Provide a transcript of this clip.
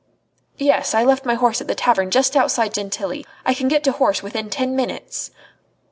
"Yes. I left my horse at the tavern just outside Gentilly. I can get to horse within ten minutes."